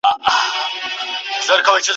د دښمن سترګي ړندې کې چا یې شنې جلګې نظر کړې